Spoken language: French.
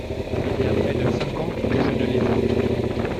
Il y a près de cinq ans que je ne l'ai vue.